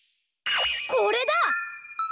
これだ！